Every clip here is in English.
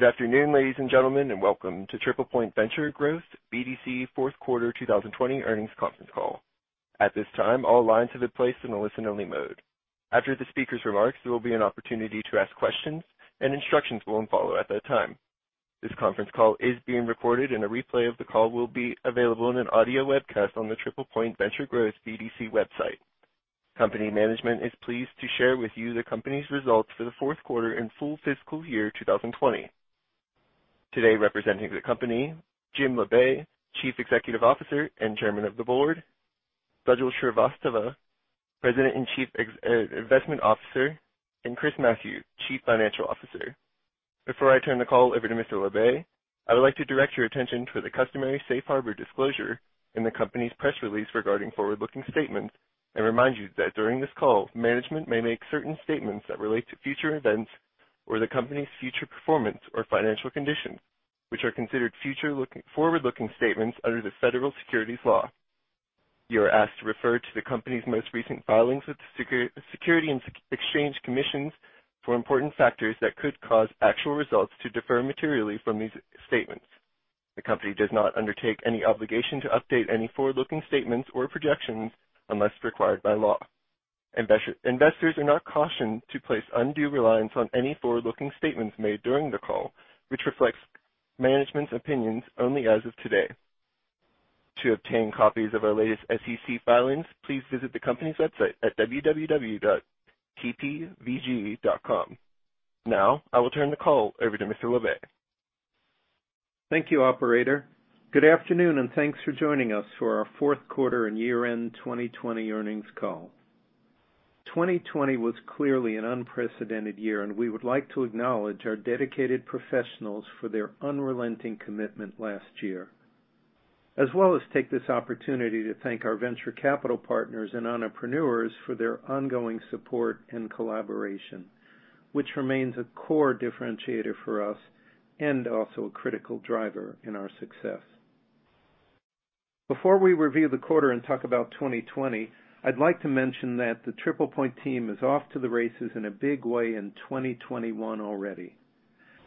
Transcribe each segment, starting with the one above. Good afternoon, ladies and gentlemen, and welcome to TriplePoint Venture Growth BDC Fourth Quarter 2020 Earnings Conference Call. At this time, all lines have been placed in a listen-only mode. After the speaker's remarks, there will be an opportunity to ask questions, and instructions will follow at that time. This conference call is being recorded, and a replay of the call will be available in an audio webcast on the TriplePoint Venture Growth BDC website. Company management is pleased to share with you the company's results for the fourth quarter and full fiscal year 2020. Today, representing the company, Jim Labe, Chief Executive Officer and Chairman of the Board; Sajal Srivastava, President and Chief Investment Officer; and Chris Mathieu, Chief Financial Officer. Before I turn the call over to Mr. Labe, I would like to direct your attention to the customary safe harbor disclosure in the company's press release regarding forward-looking statements and remind you that during this call, management may make certain statements that relate to future events or the company's future performance or financial conditions, which are considered forward-looking statements under the federal securities laws. You are asked to refer to the company's most recent filings with the Securities and Exchange Commission for important factors that could cause actual results to differ materially from these statements. The company does not undertake any obligation to update any forward-looking statements or projections unless required by law. Investors are not cautioned to place undue reliance on any forward-looking statements made during the call, which reflects management's opinions only as of today. To obtain copies of our latest SEC filings, please visit the company's website at www.tpvg.com. Now, I will turn the call over to Mr. Labe. Thank you, operator. Good afternoon, thanks for joining us for our fourth quarter and year-end 2020 earnings call. 2020 was clearly an unprecedented year, we would like to acknowledge our dedicated professionals for their unrelenting commitment last year, as well as take this opportunity to thank our venture capital partners and entrepreneurs for their ongoing support and collaboration, which remains a core differentiator for us and also a critical driver in our success. Before we review the quarter and talk about 2020, I'd like to mention that the TriplePoint team is off to the races in a big way in 2021 already.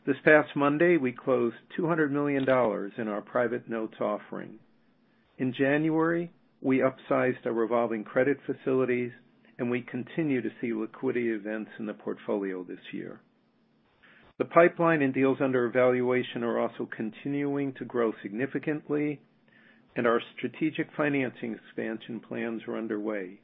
This past Monday, we closed $200 million in our private notes offering. In January, we upsized our revolving credit facilities, we continue to see liquidity events in the portfolio this year. The pipeline and deals under evaluation are also continuing to grow significantly, and our strategic financing expansion plans are underway.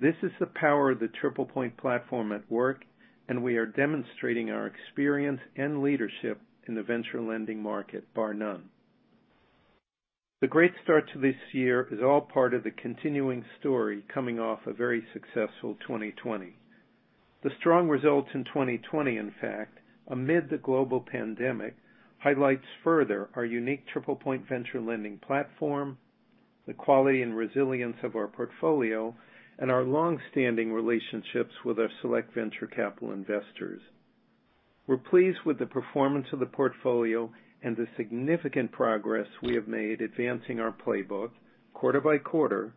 This is the power of the TriplePoint platform at work, and we are demonstrating our experience and leadership in the venture lending market, bar none. The great start to this year is all part of the continuing story coming off a very successful 2020. The strong results in 2020, in fact, amid the global pandemic, highlights further our unique TriplePoint Venture Lending Platform, the quality and resilience of our portfolio, and our longstanding relationships with our select venture capital investors. We're pleased with the performance of the portfolio and the significant progress we have made advancing our playbook quarter by quarter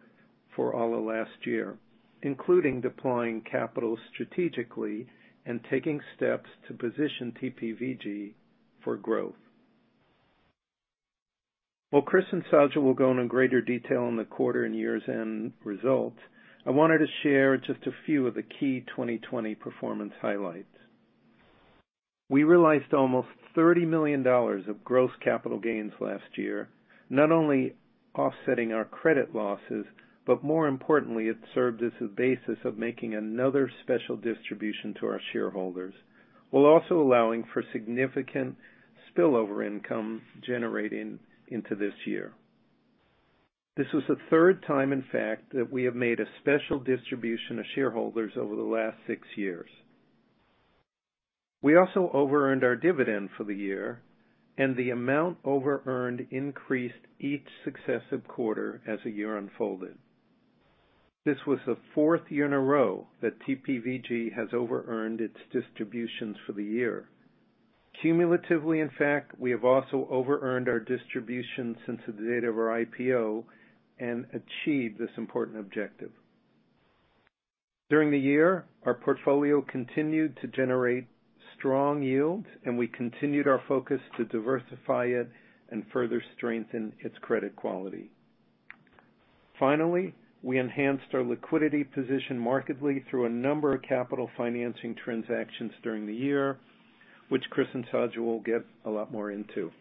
for all of last year, including deploying capital strategically and taking steps to position TPVG for growth. Chris and Sajal will go into greater detail on the quarter and year's end results, I wanted to share just a few of the key 2020 performance highlights. We realized almost $30 million of gross capital gains last year, not only offsetting our credit losses, but more importantly, it served as a basis of making another special distribution to our shareholders, while also allowing for significant spillover income generating into this year. This was the third time, in fact, that we have made a special distribution to shareholders over the last six years. We also over-earned our dividend for the year, and the amount over-earned increased each successive quarter as the year unfolded. This was the fourth year in a row that TPVG has over-earned its distributions for the year. Cumulatively, in fact, we have also over-earned our distribution since the date of our IPO and achieved this important objective. During the year, our portfolio continued to generate strong yields, and we continued our focus to diversify it and further strengthen its credit quality. Finally, we enhanced our liquidity position markedly through a number of capital financing transactions during the year, which Chris and Sajal will get a lot more into.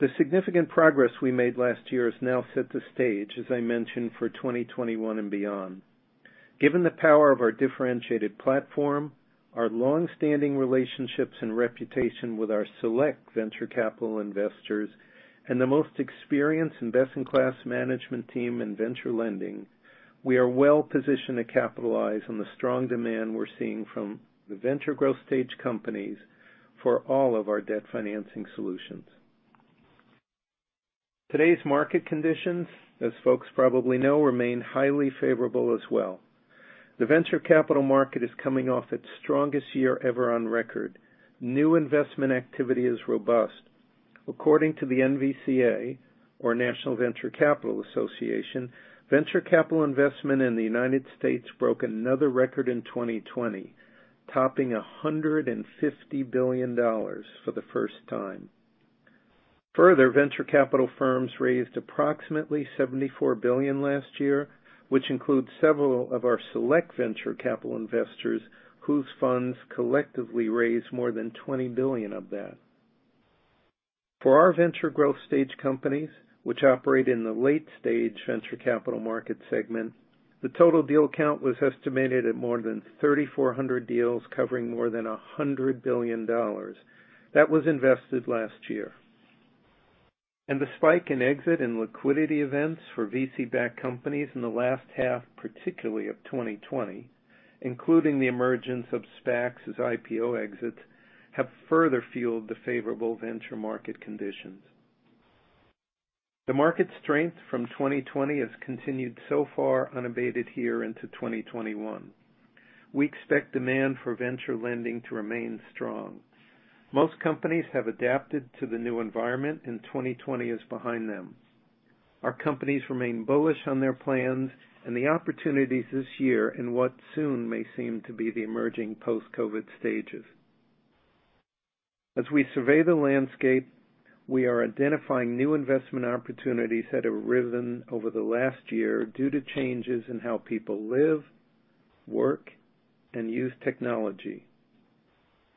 The significant progress we made last year has now set the stage, as I mentioned, for 2021 and beyond. Given the power of our differentiated platform, our longstanding relationships and reputation with our select venture capital investors, and the most experienced and best-in-class management team in venture lending, we are well positioned to capitalize on the strong demand we're seeing from the venture growth-stage companies for all of our debt financing solutions. Today's market conditions, as folks probably know, remain highly favorable as well. The venture capital market is coming off its strongest year ever on record. New investment activity is robust. According to the NVCA, or National Venture Capital Association, venture capital investment in the United States broke another record in 2020, topping $150 billion for the first time. Venture capital firms raised approximately $74 billion last year, which includes several of our select venture capital investors whose funds collectively raised more than $20 billion of that. For our venture growth stage companies, which operate in the late stage venture capital market segment, the total deal count was estimated at more than 3,400 deals covering more than $100 billion. That was invested last year. The spike in exit and liquidity events for VC-backed companies in the last half, particularly of 2020, including the emergence of SPACs as IPO exits, have further fueled the favorable venture market conditions. The market strength from 2020 has continued so far unabated here into 2021. We expect demand for venture lending to remain strong. Most companies have adapted to the new environment, and 2020 is behind them. Our companies remain bullish on their plans and the opportunities this year and what soon may seem to be the emerging post-COVID stages. As we survey the landscape, we are identifying new investment opportunities that have arisen over the last year due to changes in how people live, work, and use technology.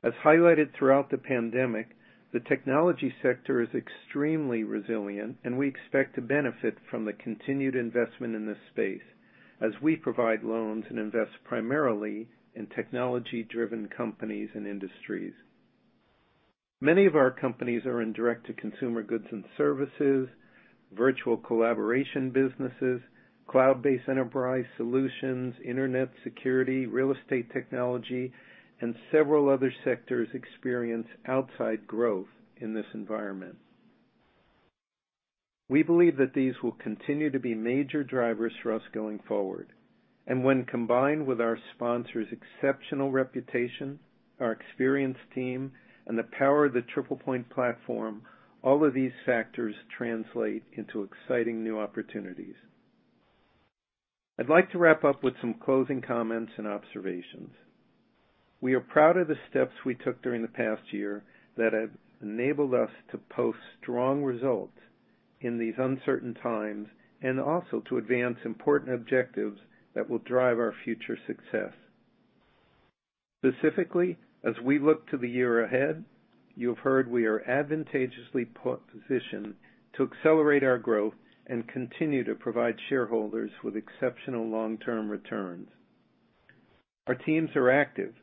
As highlighted throughout the pandemic, the technology sector is extremely resilient, and we expect to benefit from the continued investment in this space as we provide loans and invest primarily in technology-driven companies and industries. Many of our companies are in direct-to-consumer goods and services, virtual collaboration businesses, cloud-based enterprise solutions, internet security, real estate technology, and several other sectors experience outside growth in this environment. We believe that these will continue to be major drivers for us going forward. When combined with our sponsors' exceptional reputation, our experienced team, and the power of the TriplePoint platform, all of these factors translate into exciting new opportunities. I'd like to wrap up with some closing comments and observations. We are proud of the steps we took during the past year that have enabled us to post strong results in these uncertain times, and also to advance important objectives that will drive our future success. Specifically, as we look to the year ahead, you've heard we are advantageously positioned to accelerate our growth and continue to provide shareholders with exceptional long-term returns. Our teams are active.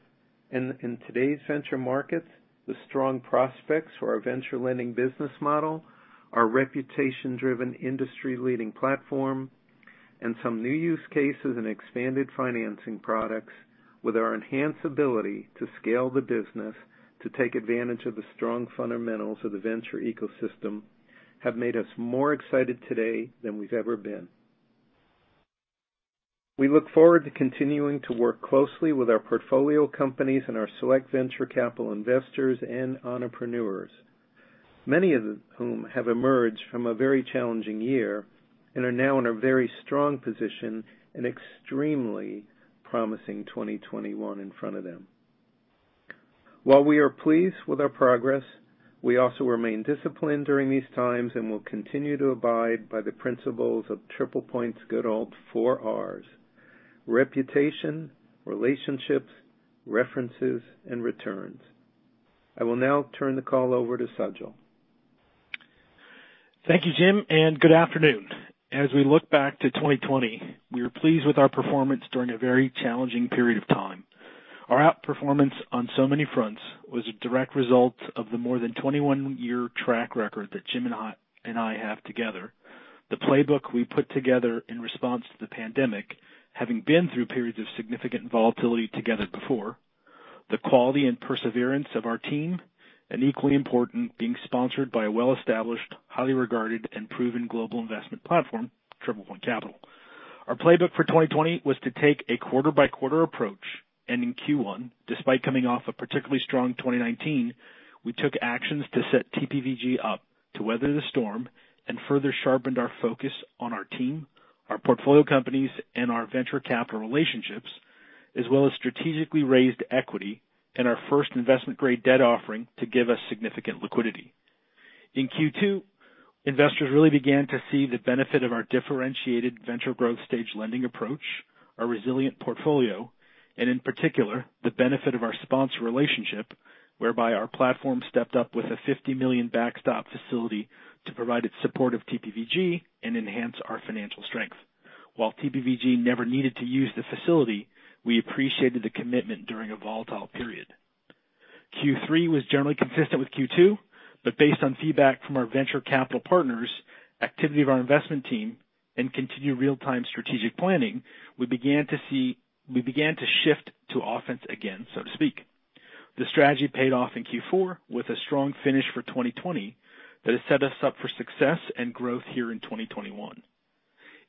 In today's venture markets, the strong prospects for our venture lending business model are our reputation-driven, industry-leading platform and some new use cases and expanded financing products. With our enhanced ability to scale the business to take advantage of the strong fundamentals of the venture ecosystem have made us more excited today than we've ever been. We look forward to continuing to work closely with our portfolio companies and our select venture capital investors and entrepreneurs, many of whom have emerged from a very challenging year and are now in a very strong position and extremely promising 2021 in front of them. While we are pleased with our progress, we also remain disciplined during these times and will continue to abide by the principles of TriplePoint's good old four Rs: reputation, relationships, references, and returns. I will now turn the call over to Sajal. Thank you, Jim, and good afternoon. As we look back to 2020, we are pleased with our performance during a very challenging period of time. Our outperformance on so many fronts was a direct result of the more than 21-year track record that Jim and I have together. The playbook we put together in response to the pandemic, having been through periods of significant volatility together before, the quality and perseverance of our team, and equally important, being sponsored by a well-established, highly regarded, and proven global investment platform, TriplePoint Capital. Our playbook for 2020 was to take a quarter-by-quarter approach. In Q1, despite coming off a particularly strong 2019, we took actions to set TPVG up to weather the storm and further sharpened our focus on our team, our portfolio companies, and our venture capital relationships, as well as strategically raised equity and our first investment-grade debt offering to give us significant liquidity. In Q2, investors really began to see the benefit of our differentiated venture growth stage lending approach, our resilient portfolio, and in particular, the benefit of our sponsor relationship, whereby our platform stepped up with a $50 million backstop facility to provide its support of TPVG and enhance our financial strength. While TPVG never needed to use the facility, we appreciated the commitment during a volatile period. Q3 was generally consistent with Q2. Based on feedback from our venture capital partners, activity of our investment team, and continued real-time strategic planning, we began to shift to offense again, so to speak. The strategy paid off in Q4 with a strong finish for 2020 that has set us up for success and growth here in 2021.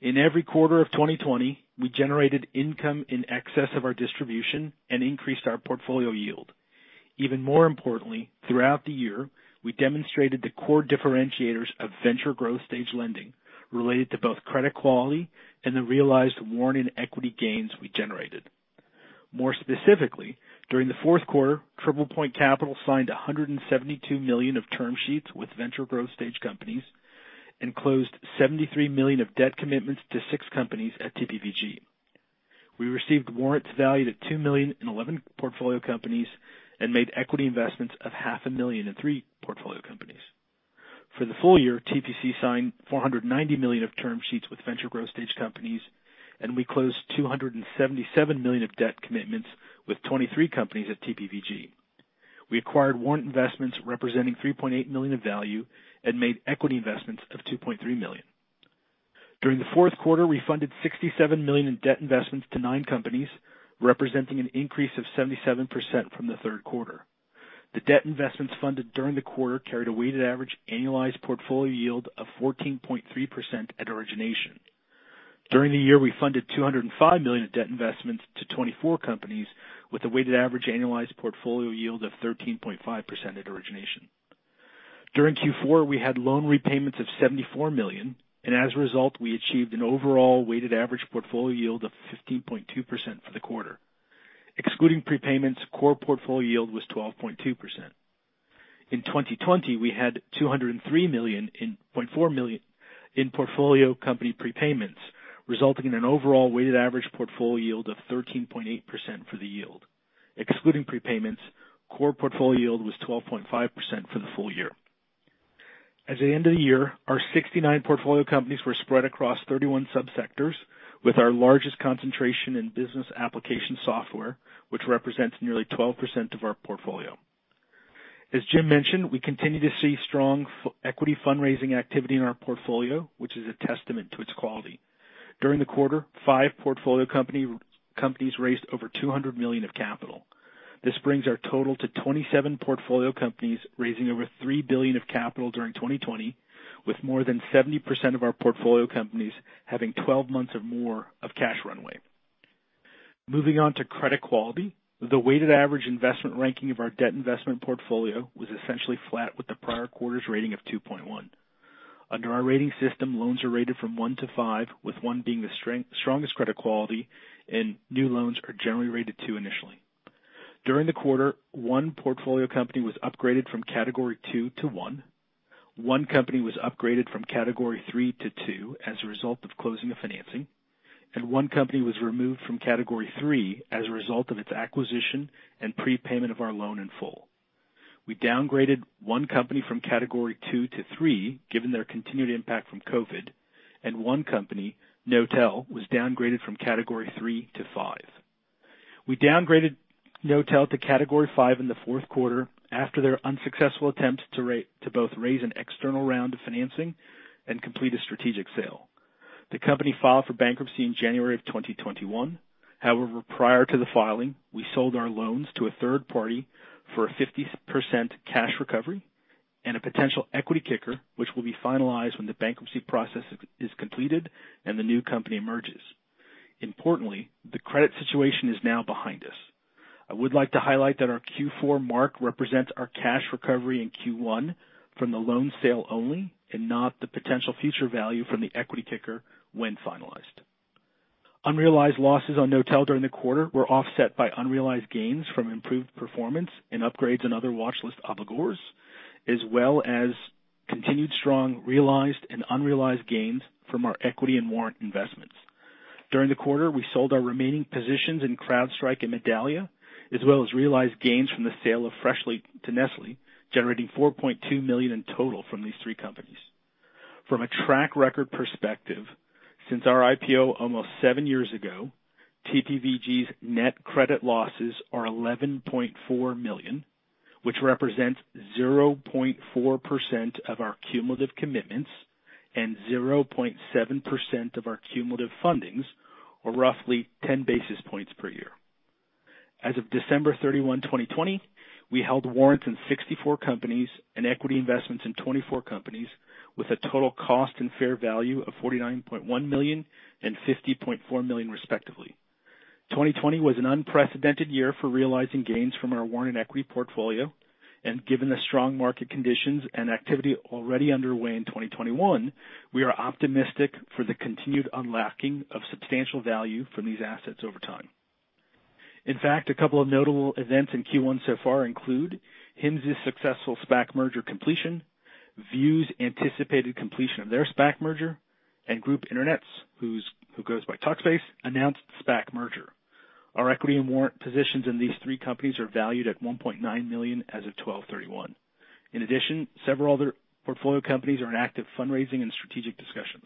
In every quarter of 2020, we generated income in excess of our distribution and increased our portfolio yield. Even more importantly, throughout the year, we demonstrated the core differentiators of venture growth stage lending related to both credit quality and the realized warrant and equity gains we generated. More specifically, during the fourth quarter, TriplePoint Capital signed $172 million of term sheets with venture growth stage companies and closed $73 million of debt commitments to six companies at TPVG. We received warrants valued at $2 million in 11 portfolio companies and made equity investments of half a million in three portfolio companies. For the full year, TPC signed $490 million of term sheets with venture growth-stage companies, and we closed $277 million of debt commitments with 23 companies at TPVG. We acquired warrant investments representing $3.8 million of value and made equity investments of $2.3 million. During the fourth quarter, we funded $67 million in debt investments to nine companies, representing an increase of 77% from the third quarter. The debt investments funded during the quarter carried a weighted average annualized portfolio yield of 14.3% at origination. During the year, we funded $205 million of debt investments to 24 companies with a weighted average annualized portfolio yield of 13.5% at origination. During Q4, we had loan repayments of $74 million. As a result, we achieved an overall weighted average portfolio yield of 15.2% for the quarter. Excluding prepayments, core portfolio yield was 12.2%. In 2020, we had $203.4 million in portfolio company prepayments, resulting in an overall weighted average portfolio yield of 13.8% for the year. Excluding prepayments, core portfolio yield was 12.5% for the full year. At the end of the year, our 69 portfolio companies were spread across 31 sub-sectors with our largest concentration in business application software, which represents nearly 12% of our portfolio. As Jim mentioned, we continue to see strong equity fundraising activity in our portfolio, which is a testament to its quality. During the quarter, five portfolio companies raised over $200 million of capital. This brings our total to 27 portfolio companies, raising over $3 billion of capital during 2020, with more than 70% of our portfolio companies having 12 months or more of cash runway. Moving on to credit quality, the weighted average investment ranking of our debt investment portfolio was essentially flat with the prior quarter's rating of 2.1. Under our rating system, loans are rated from 1-5, with one being the strongest credit quality. New loans are generally rated 2 initially. During the quarter, one portfolio company was upgraded from category 2-1. One company was upgraded from category 3-2 as a result of closing the financing. One company was removed from category 3 as a result of its acquisition and prepayment of our loan in full. We downgraded one company from category 2-3, given their continued impact from COVID, and one company, Knotel, was downgraded from category 3-5. We downgraded Knotel to category 5 in the fourth quarter after their unsuccessful attempt to both raise an external round of financing and complete a strategic sale. The company filed for bankruptcy in January 2021. Prior to the filing, we sold our loans to a third party for a 50% cash recovery and a potential equity kicker, which will be finalized when the bankruptcy process is completed and the new company emerges. Importantly, the credit situation is now behind us. I would like to highlight that our Q4 mark represents our cash recovery in Q1 from the loan sale only and not the potential future value from the equity kicker when finalized. Unrealized losses on Knotel during the quarter were offset by unrealized gains from improved performance and upgrades on other watchlist obligors, as well as continued strong realized and unrealized gains from our equity and warrant investments. During the quarter, we sold our remaining positions in CrowdStrike and Medallia, as well as realized gains from the sale of Freshly to Nestlé, generating $4.2 million in total from these three companies. From a track record perspective, since our IPO almost seven years ago, TPVG's net credit losses are $11.4 million, which represents 0.4% of our cumulative commitments and 0.7% of our cumulative fundings, or roughly 10 basis points per year. As of December 31, 2020, we held warrants in 64 companies and equity investments in 24 companies with a total cost and fair value of $49.1 million and $50.4 million, respectively. 2020 was an unprecedented year for realizing gains from our warrant and equity portfolio, and given the strong market conditions and activity already underway in 2021, we are optimistic for the continued unlocking of substantial value from these assets over time. In fact, a couple of notable events in Q1 so far include Hims' successful SPAC merger completion, View's anticipated completion of their SPAC merger, and Groop Internet, who goes by Talkspace, announced SPAC merger. Our equity and warrant positions in these three companies are valued at $1.9 million as of December 31. In addition, several other portfolio companies are in active fundraising and strategic discussions.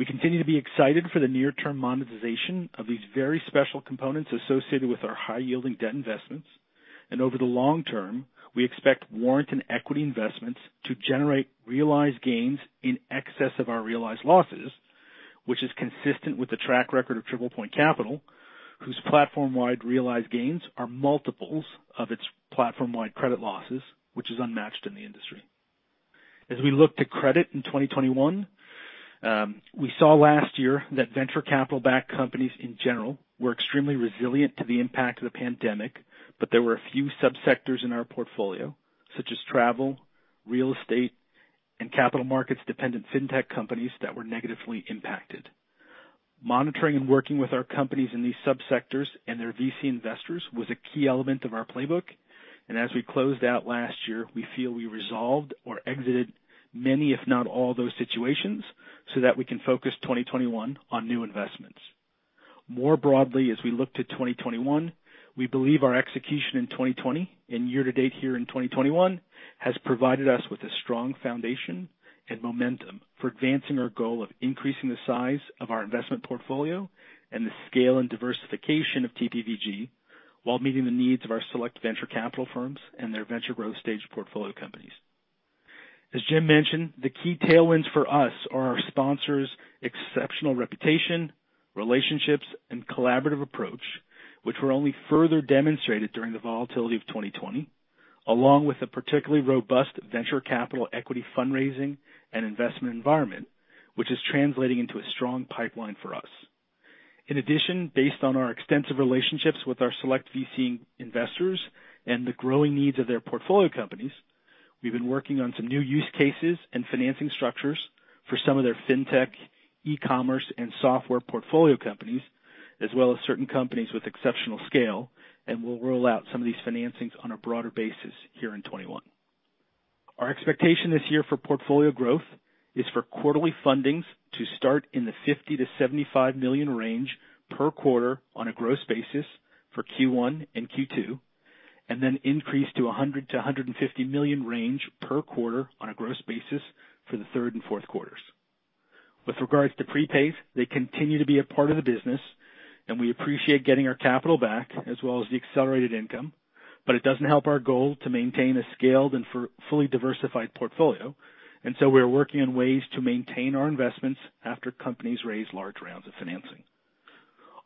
We continue to be excited for the near-term monetization of these very special components associated with our high-yield debt investments. Over the long term, we expect warrant and equity investments to generate realized gains in excess of our realized losses, which is consistent with the track record of TriplePoint Capital. Whose platform-wide realized gains are multiples of its platform-wide credit losses, which is unmatched in the industry. As we look to credit in 2021, we saw last year that venture capital-backed companies in general were extremely resilient to the impact of the pandemic, but there were a few sub-sectors in our portfolio, such as travel, real estate, and capital markets-dependent fintech companies that were negatively impacted. Monitoring and working with our companies in these sub-sectors and their VC investors was a key element of our playbook, and as we closed out last year, we feel we resolved or exited many, if not all those situations so that we can focus 2021 on new investments. More broadly, as we look to 2021, we believe our execution in 2020 and year to date here in 2021 has provided us with a strong foundation and momentum for advancing our goal of increasing the size of our investment portfolio and the scale and diversification of TPVG, while meeting the needs of our select venture capital firms and their venture growth-stage portfolio companies. As Jim mentioned, the key tailwinds for us are our sponsors' exceptional reputation, relationships, and collaborative approach, which were only further demonstrated during the volatility of 2020, along with a particularly robust venture capital equity fundraising and investment environment, which is translating into a strong pipeline for us. In addition, based on our extensive relationships with our select VC investors and the growing needs of their portfolio companies, we've been working on some new use cases and financing structures for some of their fintech, e-commerce, and software portfolio companies, as well as certain companies with exceptional scale, and we'll roll out some of these financings on a broader basis here in 2021. Our expectation this year for portfolio growth is for quarterly fundings to start in the $50 million-$75 million range per quarter on a gross basis for Q1 and Q2, and then increase to $100 million-$150 million range per quarter on a gross basis for the third and fourth quarters. With regards to prepays, they continue to be a part of the business, and we appreciate getting our capital back as well as the accelerated income, but it doesn't help our goal to maintain a scaled and fully diversified portfolio. We are working on ways to maintain our investments after companies raise large rounds of financing.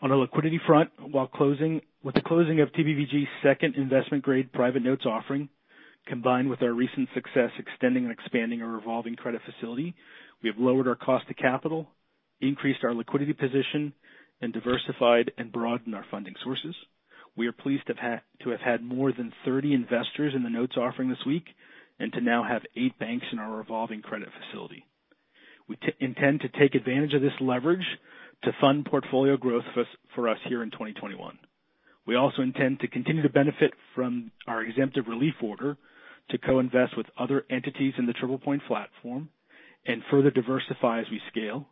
On a liquidity front, with the closing of TPVG's second investment-grade private notes offering, combined with our recent success extending and expanding our revolving credit facility, we have lowered our cost to capital, increased our liquidity position, and diversified and broadened our funding sources. We are pleased to have had more than 30 investors in the notes offering this week, and to now have eight banks in our revolving credit facility. We intend to take advantage of this leverage to fund portfolio growth for us here in 2021. We also intend to continue to benefit from our exemptive relief order to co-invest with other entities in the TriplePoint platform and further diversify as we scale,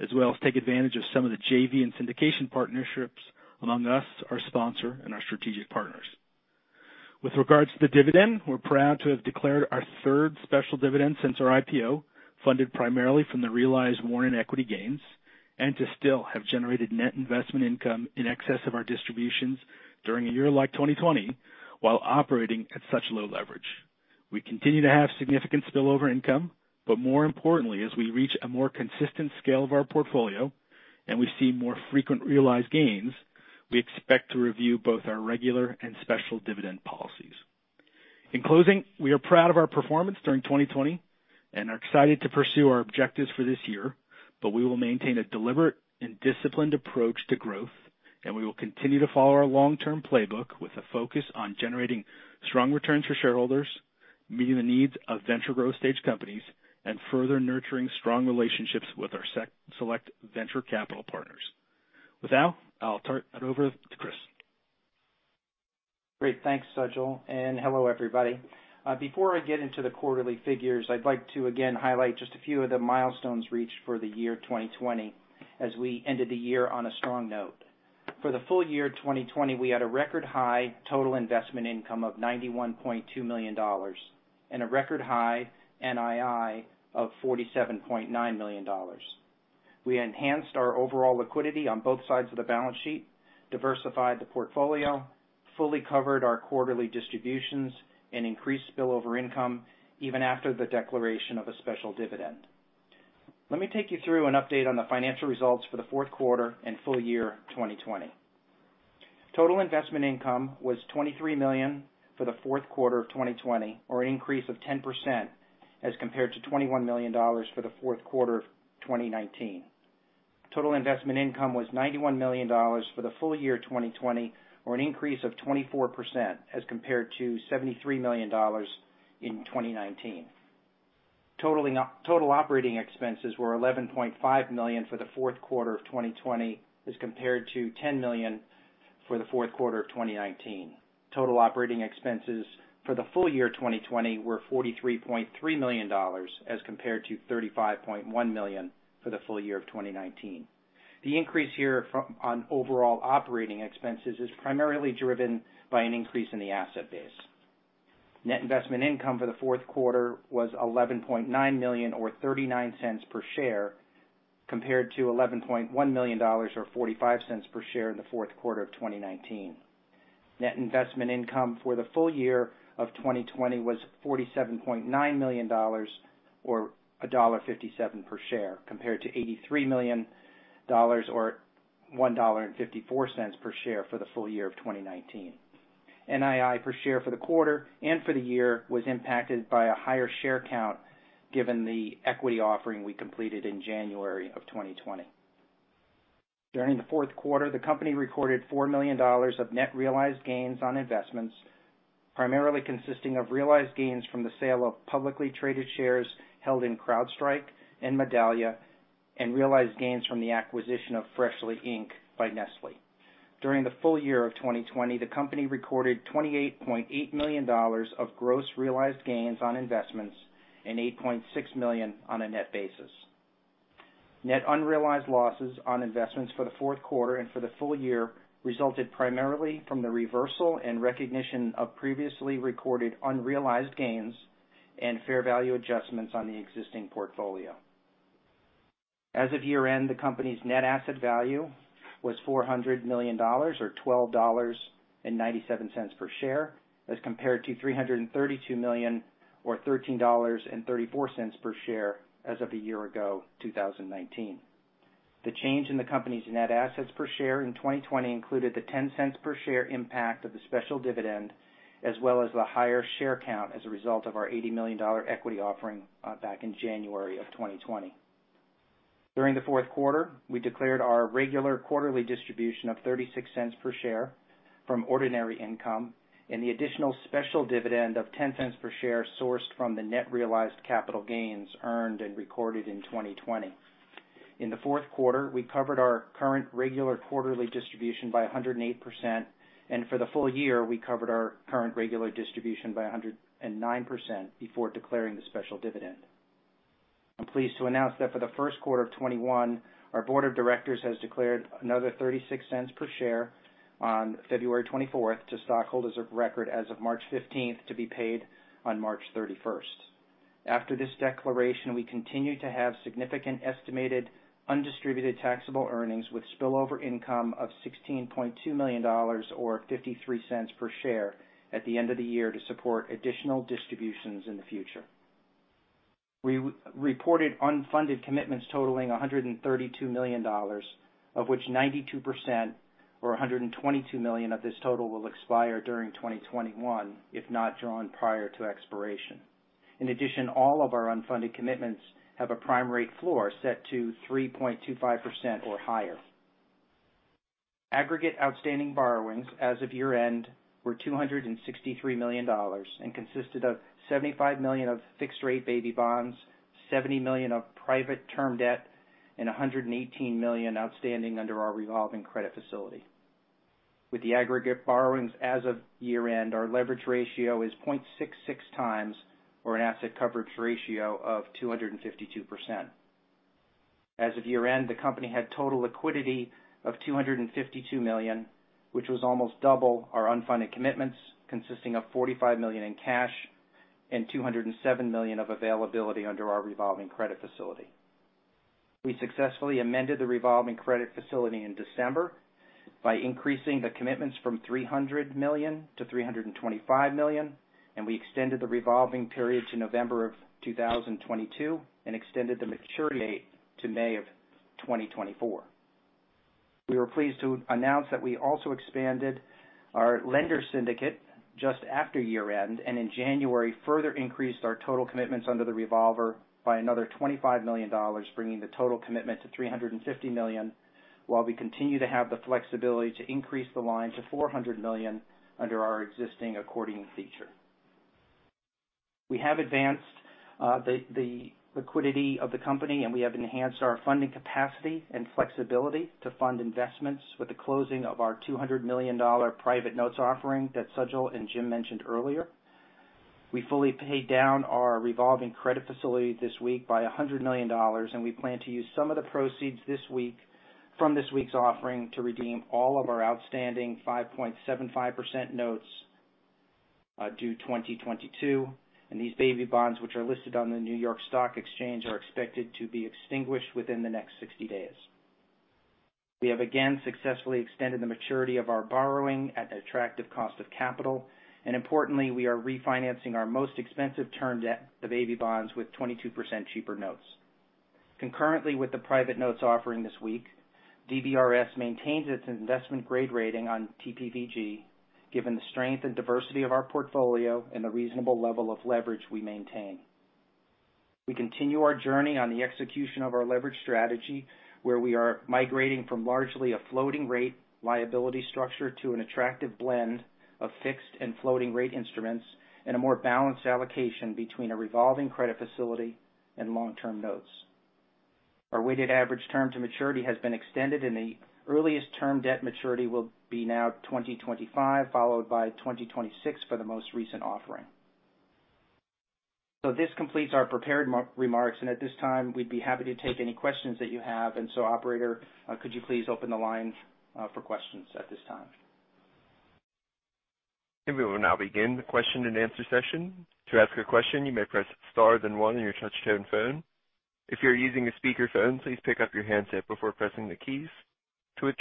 as well as take advantage of some of the JV and syndication partnerships among us, our sponsor, and our strategic partners. With regards to the dividend, we're proud to have declared our third special dividend since our IPO, funded primarily from the realized warrant equity gains, and to still have generated net investment income in excess of our distributions during a year like 2020 while operating at such low leverage. We continue to have significant spillover income, but more importantly, as we reach a more consistent scale of our portfolio and we see more frequent realized gains, we expect to review both our regular and special dividend policies. In closing, we are proud of our performance during 2020 and are excited to pursue our objectives for this year, but we will maintain a deliberate and disciplined approach to growth, and we will continue to follow our long-term playbook with a focus on generating strong returns for shareholders, meeting the needs of venture growth stage companies, and further nurturing strong relationships with our select venture capital partners. With that, I'll turn it over to Chris. Great. Thanks, Sajal, and hello, everybody. Before I get into the quarterly figures, I'd like to again highlight just a few of the milestones reached for the year 2020 as we ended the year on a strong note. For the full year 2020, we had a record-high total investment income of $91.2 million and a record-high NII of $47.9 million. We enhanced our overall liquidity on both sides of the balance sheet, diversified the portfolio, fully covered our quarterly distributions, and increased spillover income even after the declaration of a special dividend. Let me take you through an update on the financial results for the fourth quarter and full year 2020. Total investment income was $23 million for the fourth quarter of 2020, or an increase of 10% as compared to $21 million for the fourth quarter of 2019. Total investment income was $91 million for the full year 2020, or an increase of 24% as compared to $73 million in 2019. Total operating expenses were $11.5 million for the fourth quarter of 2020 as compared to $10 million for the fourth quarter of 2019. Total operating expenses for the full year 2020 were $43.3 million as compared to $35.1 million for the full year of 2019. The increase here on overall operating expenses is primarily driven by an increase in the asset base. Net investment income for the fourth quarter was $11.9 million or $0.39 per share, compared to $11.1 million or $0.45 per share in the fourth quarter of 2019. Net investment income for the full year of 2020 was $47.9 million, or $1.57 per share, compared to $38 million or $1.54 per share for the full year of 2019. NII per share for the quarter and for the year was impacted by a higher share count given the equity offering we completed in January of 2020. During the fourth quarter, the company recorded $4 million of net realized gains on investments, primarily consisting of realized gains from the sale of publicly traded shares held in CrowdStrike and Medallia, and realized gains from the acquisition of Freshly Inc. by Nestlé. During the full year of 2020, the company recorded $28.8 million of gross realized gains on investments, and $8.6 million on a net basis. Net unrealized losses on investments for the fourth quarter and for the full year resulted primarily from the reversal and recognition of previously recorded unrealized gains and fair value adjustments on the existing portfolio. As of year-end, the company's net asset value was $400 million, or $12.97 per share, as compared to $332 million, or $13.34 per share as of a year ago, 2019. The change in the company's net assets per share in 2020 included the $0.10 per share impact of the special dividend, as well as the higher share count as a result of our $80 million equity offering back in January of 2020. During the fourth quarter, we declared our regular quarterly distribution of $0.36 per share from ordinary income, and the additional special dividend of $0.10 per share sourced from the net realized capital gains earned and recorded in 2020. In the fourth quarter, we covered our current regular quarterly distribution by 108%, and for the full year, we covered our current regular distribution by 109% before declaring the special dividend. I'm pleased to announce that for the first quarter of 2021, our board of directors has declared another $0.36 per share on February 24th to stockholders of record as of March 15th to be paid on March 31st. After this declaration, we continue to have significant estimated undistributed taxable earnings with spillover income of $16.2 million, or $0.53 per share at the end of the year to support additional distributions in the future. We reported unfunded commitments totaling $132 million, of which 92%, or $122 million of this total will expire during 2021 if not drawn prior to expiration. In addition, all of our unfunded commitments have a prime rate floor set to 3.25% or higher. Aggregate outstanding borrowings as of year-end were $263 million and consisted of $75 million of fixed-rate baby bonds, $70 million of private term debt, and $118 million outstanding under our revolving credit facility. With the aggregate borrowings as of year-end, our leverage ratio is 0.66x or an asset coverage ratio of 252%. As of year-end, the company had total liquidity of $252 million, which was almost double our unfunded commitments, consisting of $45 million in cash and $207 million of availability under our revolving credit facility. We successfully amended the revolving credit facility in December by increasing the commitments from $300 million-$325 million, and we extended the revolving period to November of 2022 and extended the maturity to May of 2024. We were pleased to announce that we also expanded our lender syndicate just after year-end. In January, further increased our total commitments under the revolver by another $25 million, bringing the total commitment to $350 million, while we continue to have the flexibility to increase the line to $400 million under our existing accordion feature. We have advanced the liquidity of the company. We have enhanced our funding capacity and flexibility to fund investments with the closing of our $200 million private notes offering that Sajal and Jim mentioned earlier. We fully paid down our revolving credit facility this week by $100 million. We plan to use some of the proceeds this week from this week's offering to redeem all of our outstanding 5.75% notes due 2022. These baby bonds, which are listed on the New York Stock Exchange, are expected to be extinguished within the next 60 days. We have again successfully extended the maturity of our borrowing at an attractive cost of capital, and importantly, we are refinancing our most expensive term debt, the baby bonds, with 22% cheaper notes. Concurrently with the private notes offering this week, DBRS maintains its investment-grade rating on TPVG given the strength and diversity of our portfolio and the reasonable level of leverage we maintain. We continue our journey on the execution of our leverage strategy, where we are migrating from largely a floating rate liability structure to an attractive blend of fixed and floating rate instruments and a more balanced allocation between a revolving credit facility and long-term notes. Our weighted average term to maturity has been extended, and the earliest term debt maturity will be now 2025, followed by 2026 for the most recent offering. This completes our prepared remarks, and at this time, we'd be happy to take any questions that you have. Operator, could you please open the line for questions at this time? Our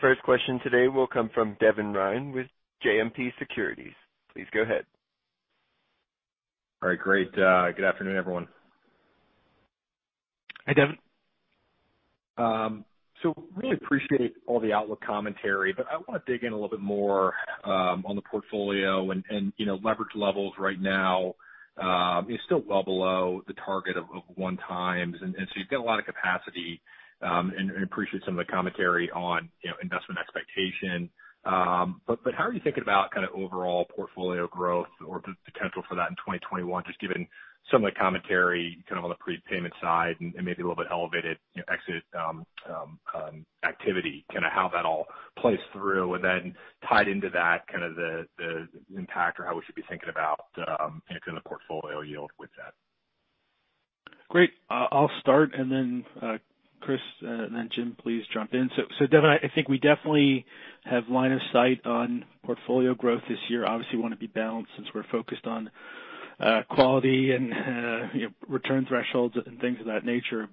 first question today will come from Devin Ryan with JMP Securities. Please go ahead. All right, great. Good afternoon, everyone. Hi, Devin. Really appreciate all the outlook commentary, but I want to dig in a little bit more on the portfolio and leverage levels right now. It's still well below the target of one times. You've got a lot of capacity, and appreciate some of the commentary on investment expectation. How are you thinking about kind of overall portfolio growth or the potential for that in 2021, just given some of the commentary kind of on the prepayment side and maybe a little bit elevated exit activity? Kind of how that all plays through, and then tied into that, kind of the impact or how we should be thinking about kind of the portfolio yield with that? Great. I'll start and then Chris, and then Jim, please jump in. Devin, I think we definitely have line of sight on portfolio growth this year. Obviously want to be balanced since we're focused on quality and return thresholds and things of that nature.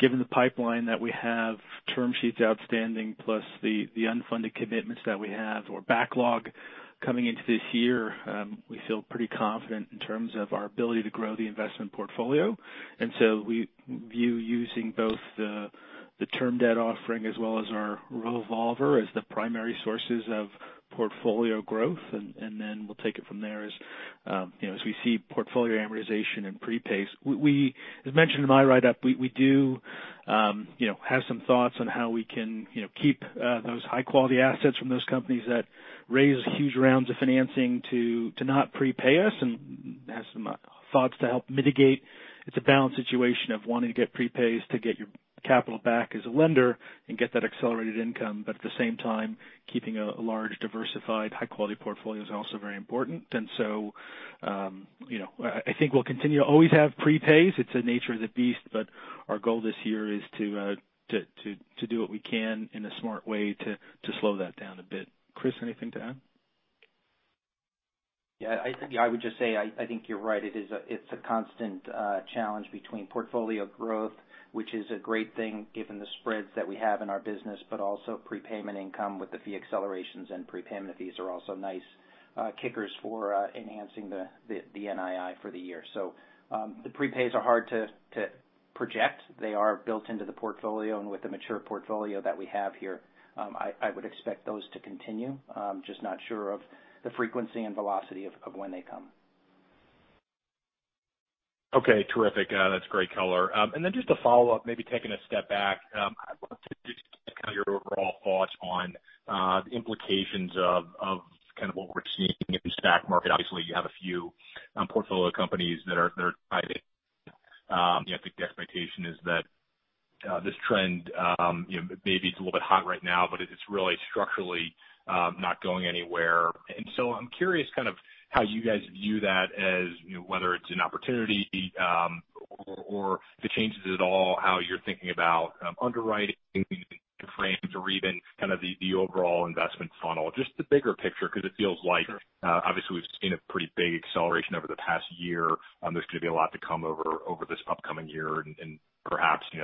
Given the pipeline that we have, term sheet outstanding, plus the unfunded commitments that we have or backlog coming into this year, we feel pretty confident in terms of our ability to grow the investment portfolio. We view using both the term debt offering as well as our revolver as the primary sources of portfolio growth. We'll take it from there as we see portfolio amortization and prepays. As mentioned in my write-up, we do have some thoughts on how we can keep those high-quality assets from those companies that raise huge rounds of financing to not prepay us and have some thoughts to help mitigate. It's a balanced situation of wanting to get prepays to get your capital back as a lender and get that accelerated income. At the same time, keeping a large, diversified, high-quality portfolio is also very important. I think we'll continue to always have prepays. It's the nature of the beast. Our goal this year is to do what we can in a smart way to slow that down a bit. Chris, anything to add? Yeah. I would just say, I think you're right. It's a constant challenge between portfolio growth, which is a great thing given the spreads that we have in our business, but also prepayment income with the fee accelerations and prepayment fees are also nice kickers for enhancing the NII for the year. The prepays are hard to project. They are built into the portfolio, and with the mature portfolio that we have here, I would expect those to continue. Just not sure of the frequency and velocity of when they come. Okay. Terrific. That's great color. Then just a follow-up, maybe taking a step back. I'd love to just get kind of your overall thoughts on the implications of kind of what we're seeing in the SPAC market. Obviously, you have a few portfolio companies that are private. I think the expectation is that this trend, maybe it's a little bit hot right now, but it's really structurally not going anywhere. So I'm curious kind of how you guys view that as whether it's an opportunity, or if it changes at all how you're thinking about underwriting frameworks or even kind of the overall investment funnel. Just the bigger picture, because it feels like obviously we've seen a pretty big acceleration over the past year. There's going to be a lot to come over this upcoming year, and perhaps the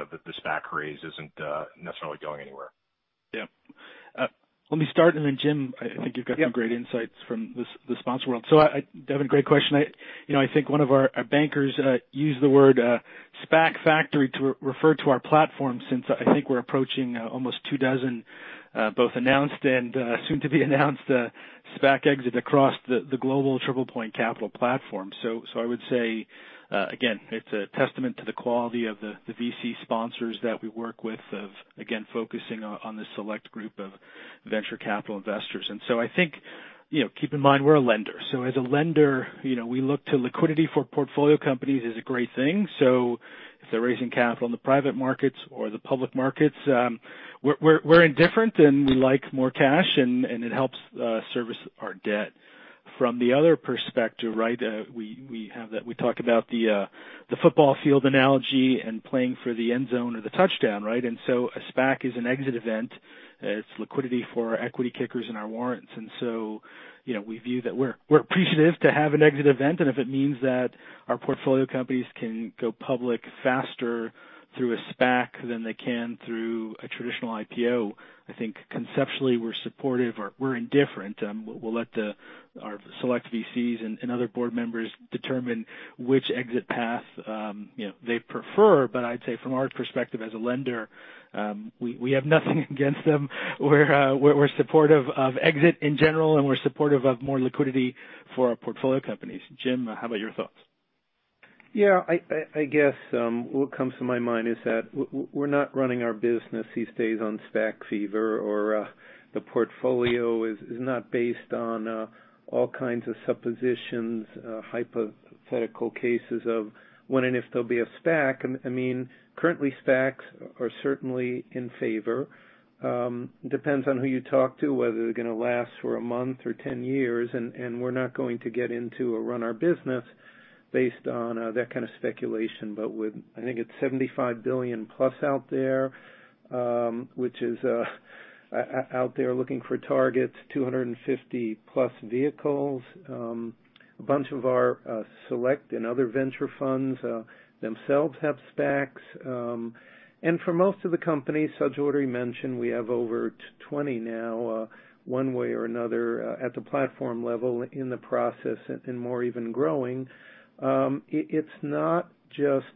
SPAC craze isn't necessarily going anywhere. Yeah. Let me start, and then Jim, I think you've got some great insights from the sponsor world. Devin, great question. I think one of our bankers used the word SPAC factory to refer to our platform since I think we're approaching almost two dozen both announced and soon-to-be-announced SPAC exits across the global TriplePoint Capital platform. I would say again, it's a testament to the quality of the VC sponsors that we work with, and again, focusing on the select group of venture capital investors. I think keep in mind we're a lender. As a lender, we look to liquidity for portfolio companies is a great thing. If they're raising capital in the private markets or the public markets, we're indifferent, and we like more cash, and it helps service our debt. From the other perspective, right. We talk about the football field analogy and playing for the end zone or the touchdown. Right? A SPAC is an exit event. It's liquidity for our equity kickers and our warrants. We view that we're appreciative to have an exit event. If it means that our portfolio companies can go public faster through a SPAC than they can through a traditional IPO, I think conceptually we're supportive or we're indifferent. We'll let our select VCs and other board members determine which exit path they prefer. I'd say from our perspective as a lender, we have nothing against them. We're supportive of exit in general, and we're supportive of more liquidity for our portfolio companies. Jim, how about your thoughts? I guess what comes to my mind is that we're not running our business these days on SPAC fever, or the portfolio is not based on all kinds of suppositions, hypothetical cases of when and if there'll be a SPAC. Currently, SPACs are certainly in favor. Depends on who you talk to, whether they're going to last for a month or 10 years, we're not going to get into or run our business based on that kind of speculation. With, I think it's $75+ billion out there, which is out there looking for targets, 250+ vehicles. A bunch of our select and other venture funds themselves have SPACs. For most of the companies, Sajal already mentioned, we have over 20 now, one way or another, at the platform level in the process, more even growing. It's not just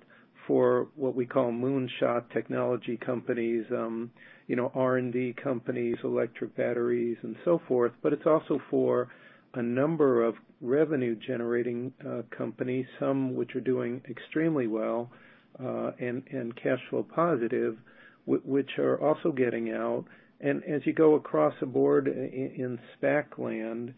for what we call moonshot technology companies, R&D companies, electric batteries and so forth, but it's also for a number of revenue-generating companies, some which are doing extremely well, and cash flow positive, which are also getting out. As you go across a board in SPAC land,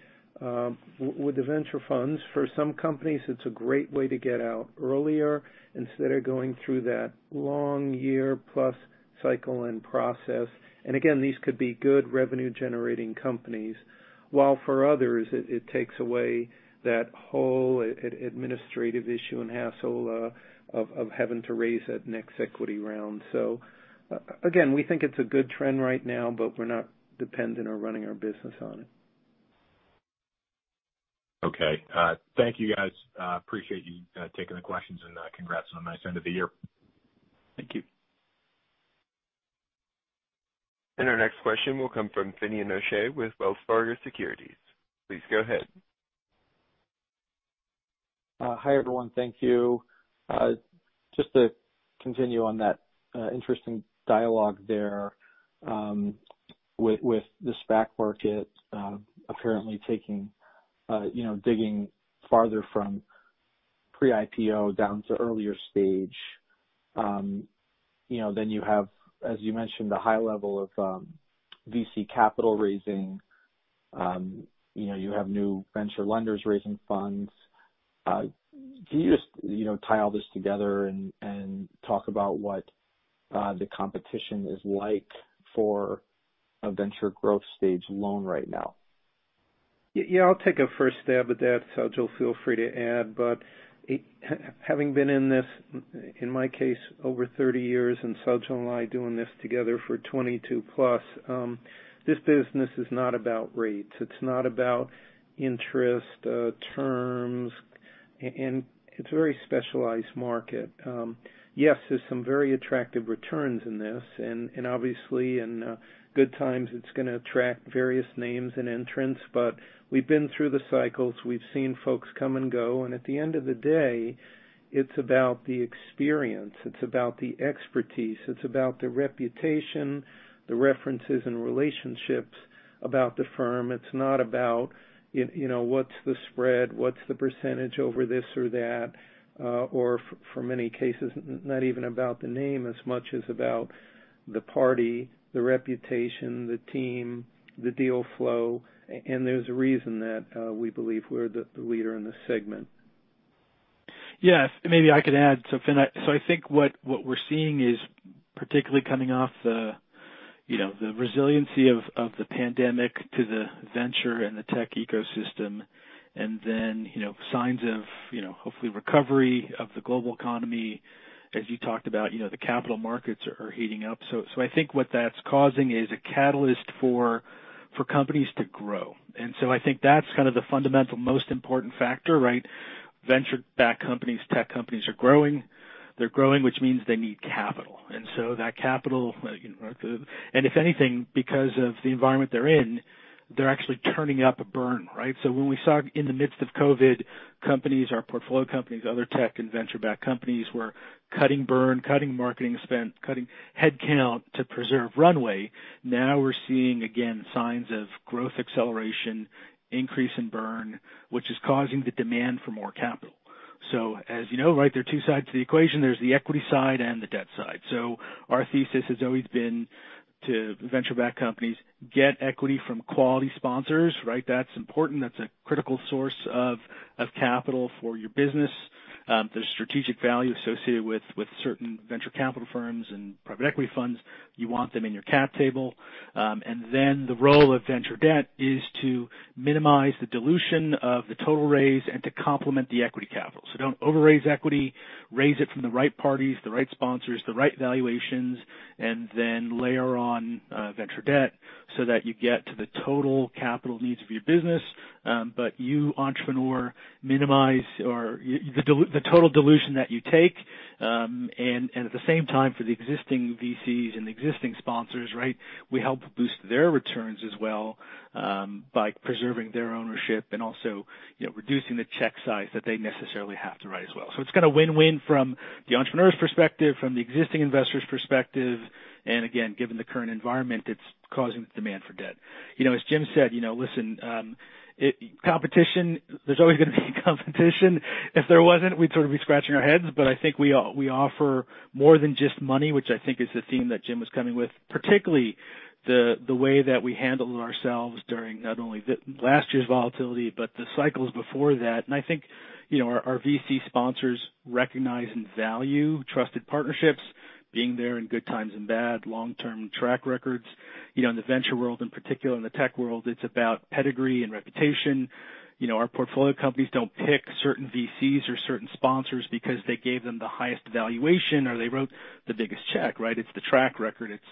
with the venture funds, for some companies, it's a great way to get out earlier instead of going through that long year-plus cycle and process. Again, these could be good revenue-generating companies. While for others, it takes away that whole administrative issue and hassle of having to raise that next equity round. Again, we think it's a good trend right now, but we're not dependent on running our business on it. Okay. Thank you, guys. Appreciate you taking the questions, and congrats on a nice end of the year. Thank you. Our next question will come from Finn O'Shea with Wells Fargo Securities. Please go ahead. Hi, everyone. Thank you. Just to continue on that interesting dialogue there with the SPAC market apparently digging farther from pre-IPO down to earlier stage. You have, as you mentioned, the high level of VC capital raising. You have new venture lenders raising funds. Can you just tie all this together and talk about what the competition is like for a venture growth stage loan right now? Yeah. I'll take a first stab at that. Sajal, feel free to add. Having been in this, in my case, over 30 years, and Sajal and I doing this together for 22+, this business is not about rates. It's not about interest, terms. It's a very specialized market. There's some very attractive returns in this, and obviously, in good times, it's going to attract various names and entrants. We've been through the cycles. We've seen folks come and go. At the end of the day, it's about the experience. It's about the expertise. It's about the reputation, the references and relationships about the firm. It's not about what's the spread, what's the percentage over this or that, or for many cases, not even about the name as much as about the party, the reputation, the team, the deal flow, and there's a reason that we believe we're the leader in this segment. Yes. Maybe I could add. Finn, I think what we're seeing is particularly coming off the resiliency of the pandemic to the venture and the tech ecosystem, and then signs of hopefully recovery of the global economy. As you talked about, the capital markets are heating up. I think what that's causing is a catalyst for companies to grow. I think that's kind of the fundamental, most important factor, right? Venture-backed companies and tech companies are growing. They're growing, which means they need capital. If anything, because of the environment they're in, they're actually turning up the burn, right? When we saw in the midst of COVID, companies, our portfolio companies, other tech and venture-backed companies were cutting burn, cutting marketing spend, cutting headcount to preserve runway. Now we're seeing, again, signs of growth acceleration, increase in burn, which is causing the demand for more capital. As you know, there are two sides to the equation. There's the equity side and the debt side. Our thesis has always been to venture-backed companies, get equity from quality sponsors. That's important. That's a critical source of capital for your business. There's strategic value associated with certain venture capital firms and private equity funds. You want them in your cap table. Then the role of venture debt is to minimize the dilution of the total raise and to complement the equity capital. Don't over-raise equity. Raise it from the right parties, the right sponsors, the right valuations, and then layer on venture debt so that you get to the total capital needs of your business. You, entrepreneur, minimize the total dilution that you take. At the same time, for the existing VCs and the existing sponsors, we help boost their returns as well by preserving their ownership and also reducing the check size that they necessarily have to write as well. It's kind of win-win from the entrepreneur's perspective, from the existing investor's perspective, and again, given the current environment, it's causing demand for debt. As Jim said, listen, there's always going to be competition. If there wasn't, we'd sort of be scratching our heads, but I think we offer more than just money, which I think is the theme that Jim was coming with, particularly the way that we handled ourselves during not only last year's volatility, but the cycles before that. I think our VC sponsors recognize and value trusted partnerships, being there in good times and bad, long-term track records. In the venture world in particular, in the tech world, it's about pedigree and reputation. Our portfolio companies don't pick certain VCs or certain sponsors because they gave them the highest valuation, or they wrote the biggest check. It's the track record. It's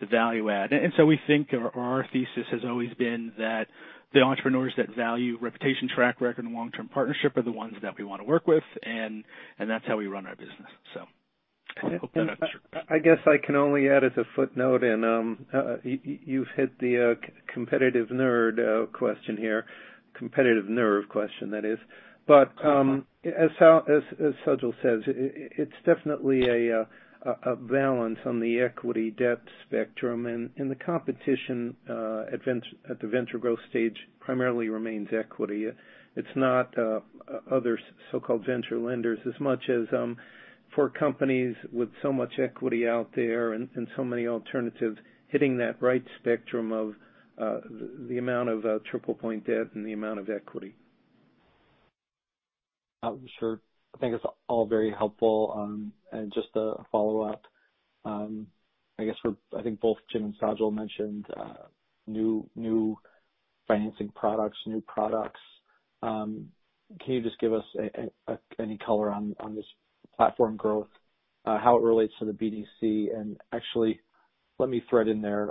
the value add. We think our thesis has always been that the entrepreneurs that value reputation, track record, and long-term partnership are the ones that we want to work with. That's how we run our business. I hope that answers your question. I guess I can only add as a footnote, and you've hit the competitive nerd question here, competitive nerve question that is. As Sajal says, it's definitely a balance on the equity-debt spectrum, and the competition at the venture growth stage primarily remains equity. It's not other so-called venture lenders as much as for companies with so much equity out there and so many alternatives hitting that right spectrum of the amount of TriplePoint debt and the amount of equity. Sure. I think it's all very helpful. Just a follow-up, I guess I think both Jim and Sajal mentioned new financing products, new products. Can you just give us any color on this platform growth, how it relates to the BDC? Actually, let me tread in there.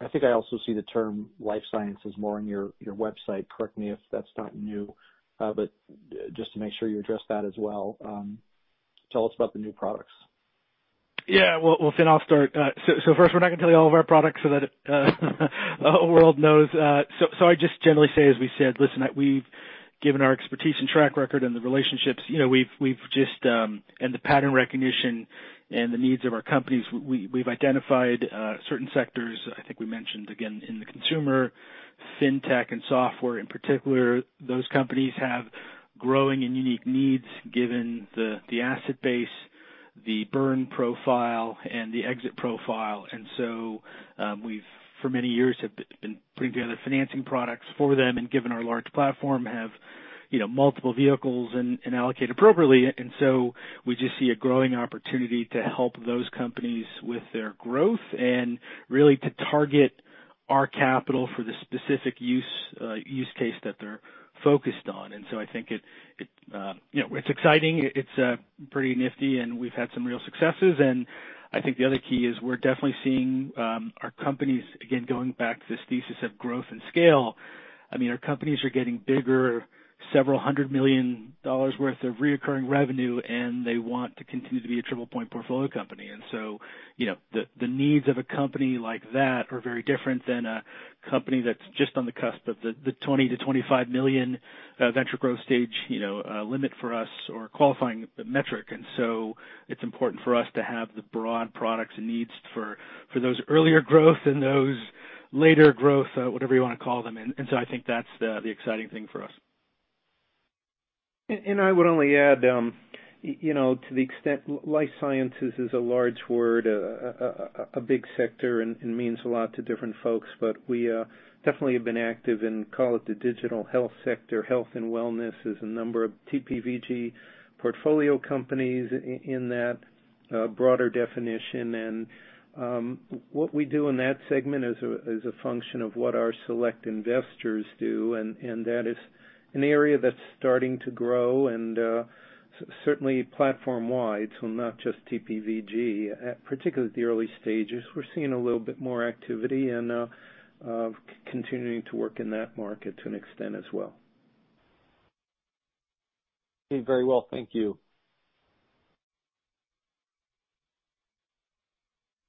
I think I also see the term life science more on your website. Correct me if that's not new, but just to make sure you address that as well. Tell us about the new products. Yeah. Well, Finn, I'll start. First, we're not going to tell you all of our products so that the whole world knows. I just generally say, as we said, listen, we've given our expertise and track record and the relationships, and the pattern recognition and the needs of our companies. We've identified certain sectors. I think we mentioned, again, in the consumer, fintech and software in particular, those companies have growing and unique needs given the asset base, the burn profile, and the exit profile. We've, for many years, have been putting together financing products for them and given our large platform, have multiple vehicles and allocate appropriately. We just see a growing opportunity to help those companies with their growth and really to target our capital for the specific use case that they're focused on. I think it's exciting. It's pretty nifty, and we've had some real successes, and I think the other key is we're definitely seeing our companies, again, going back to this thesis of growth and scale. I mean, our companies are getting bigger, several $100 million worth of recurring revenue, and they want to continue to be a TriplePoint portfolio company. The needs of a company like that are very different than a company that's just on the cusp of the $20 million-$25 million venture growth stage limit for us or qualifying metric. It's important for us to have the broad products and needs for those earlier growth and those later growth, whatever you want to call them. I think that's the exciting thing for us. I would only add, to the extent life sciences is a large word, a big sector, and means a lot to different folks, but we definitely have been active in, call it, the digital health sector. Health and wellness is a number of TPVG portfolio companies in that broader definition. What we do in that segment is a function of what our select investors do, and that is an area that's starting to grow and certainly platform-wide, so not just TPVG. Particularly at the early stages, we're seeing a little bit more activity and continuing to work in that market to an extent as well. Very well. Thank you.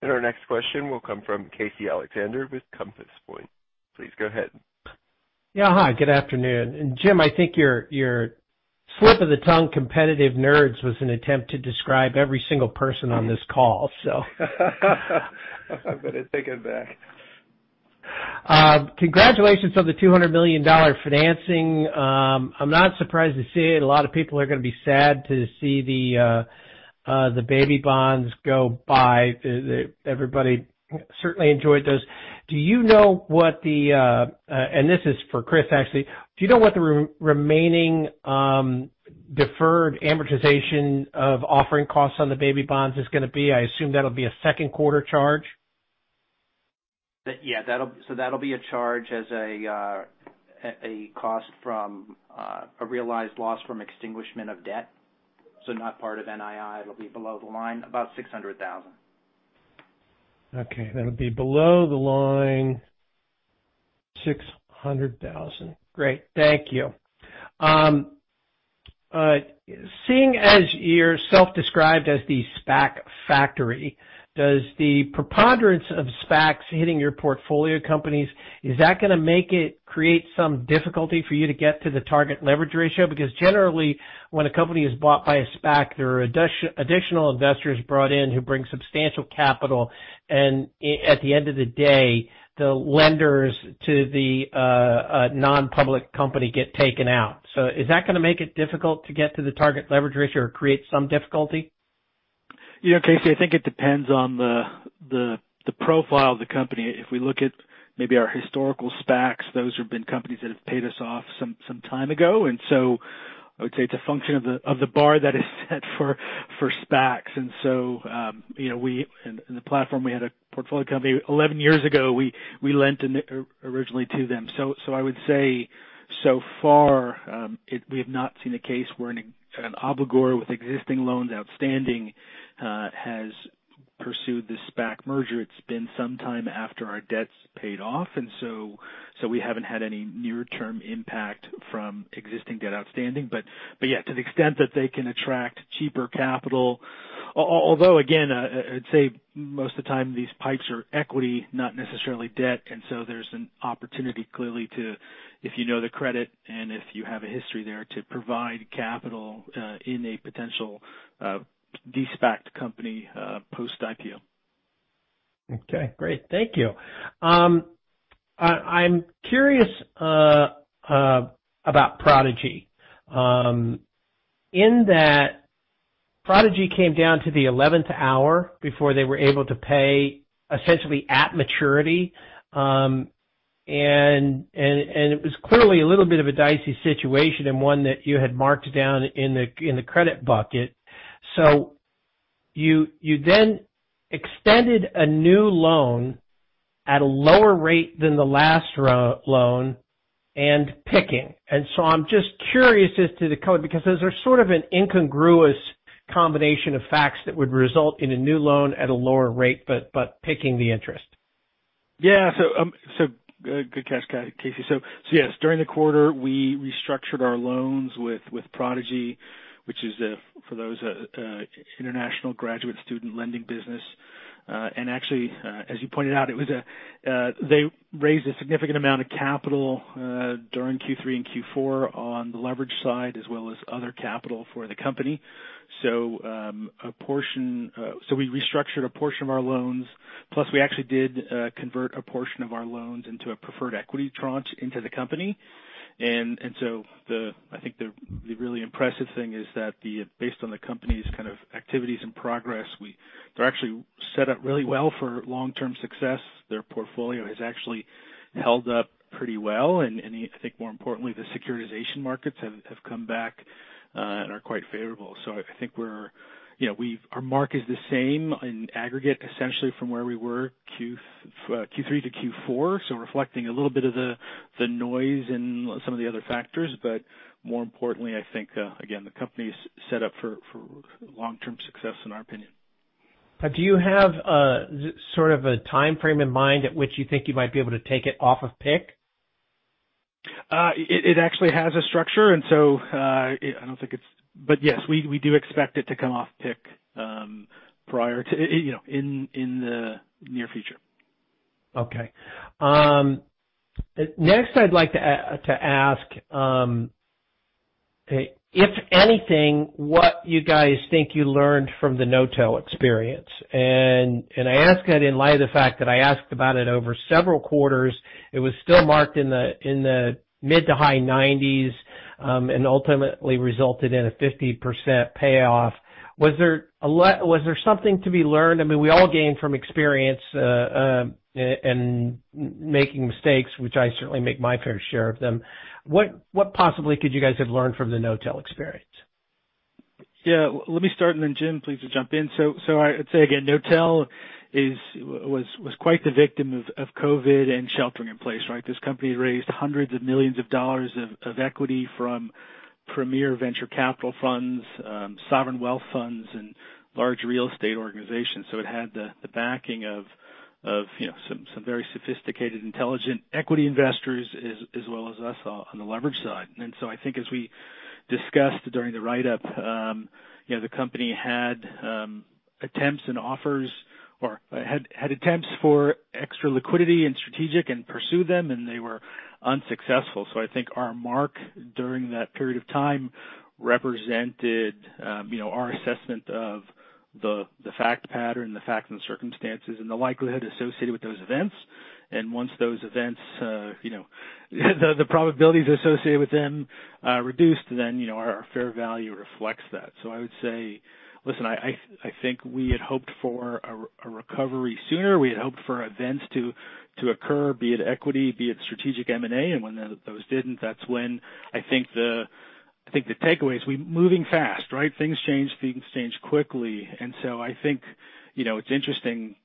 Our next question will come from Casey Alexander with Compass Point. Please go ahead. Yeah. Hi, good afternoon. Jim, I think your slip of the tongue, competitive nerds, was an attempt to describe every single person on this call. I'm going to take it back. Congratulations on the $200 million financing. I'm not surprised to see it. A lot of people are going to be sad to see the baby bonds go by. Everybody certainly enjoyed those. This is for Chris, actually. Do you know what the remaining deferred amortization of offering costs on the baby bonds is going to be? I assume that'll be a second quarter charge. Yeah. That'll be a charge as a cost from a realized loss from extinguishment of debt. Not part of NII, it'll be below the line, about $600,000. Okay. That'll be below the line, $600,000. Great, thank you. Seeing as you're self-described as the SPAC factory, does the preponderance of SPACs hitting your portfolio companies, is that going to make it create some difficulty for you to get to the target leverage ratio? Generally, when a company is bought by a SPAC, there are additional investors brought in who bring substantial capital, and at the end of the day, the lenders to the non-public company get taken out. Is that going to make it difficult to get to the target leverage ratio or create some difficulty? Yeah, Casey, I think it depends on the profile of the company. If we look at maybe our historical SPACs, those have been companies that have paid us off some time ago. I would say it's a function of the bar that is set for SPACs. In the platform, we had a portfolio company 11 years ago. We lent originally to them, and I would say, so far, we have not seen a case where an obligor with existing loans outstanding has pursued this SPAC merger. It's been some time after our debt is paid off, we haven't had any near-term impact from existing debt outstanding. Yeah, to the extent that they can attract cheaper capital. Although again, I'd say most of the time these PIPEs are equity, not necessarily debt. There's an opportunity clearly to, if you know the credit and if you have a history there to provide capital in a potential de-SPAC company post-IPO. Okay, great. Thank you. I'm curious about Prodigy. In that Prodigy came down to the 11th hour before they were able to pay essentially at maturity. It was clearly a little bit of a dicey situation and one that you had marked down in the credit bucket. You then extended a new loan at a lower rate than the last loan and PIK. I'm just curious as to the cause, because those are sort of an incongruous combination of facts that would result in a new loan at a lower rate but PIK interest. Yeah. good catch, Casey. Yes, during the quarter, we restructured our loans with Prodigy, which is, for those, international graduate student lending business. Actually, as you pointed out, they raised a significant amount of capital during Q3 and Q4 on the leverage side as well as other capital for the company. We restructured a portion of our loans, plus we actually did convert a portion of our loans into a preferred equity tranche into the company. I think the really impressive thing is that based on the company's kind of activities and progress, they're actually set up really well for long-term success. Their portfolio has actually held up pretty well, and I think more importantly, the securitization markets have come back and are quite favorable. I think our mark is the same in aggregate, essentially from where we were Q3-Q4. Reflecting a little bit of the noise and some of the other factors. More importantly, I think, again, the company's set up for long-term success in our opinion. Do you have sort of a time frame in mind at which you think you might be able to take it off of PIK? It actually has a structure. I don't think. Yes, we do expect it to come off PIK in the near future. Okay. Next I'd like to ask, if anything, what you guys think you learned from the Knotel experience, and I ask that in light of the fact that I asked about it over several quarters. It was still marked in the mid-to-high 90s, and ultimately resulted in a 50% payoff. Was there something to be learned? I mean, we all gain from experience and making mistakes, which I certainly make my fair share of them. What possibly could you guys have learned from the Knotel experience? Let me start and then Jim, please jump in. I'd say again, Knotel was quite a victim of COVID and sheltering in place, right? This company raised hundreds of millions of dollars of equity from premier venture capital funds, sovereign wealth funds, and large real estate organizations. It had the backing of some very sophisticated, intelligent equity investors as well as us on the leverage side. I think as we discussed during the write-up, the company had attempts and offers or had attempts for extra liquidity and strategic and pursue them, and they were unsuccessful. I think our mark during that period of time represented our assessment of the fact pattern, the facts and circumstances, and the likelihood associated with those events. Once those events, the probabilities associated with them reduced, then our fair value reflects that. I would say, listen, I think we had hoped for a recovery sooner. We had hoped for events to occur, be it equity, be it strategic M&A. When those didn't, that's when I think the takeaway is we're moving fast, right? Things change, things change quickly. I think it's an interesting